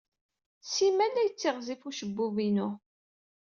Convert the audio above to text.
Simal la yettiɣzif ucebbub-inu.